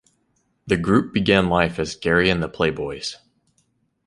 The group began life as Gary and the Playboys.